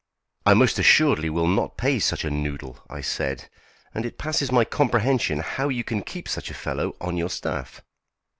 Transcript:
"I most assuredly will not pay such a noodle," I said; "and it passes my comprehension how you can keep such a fellow on your staff."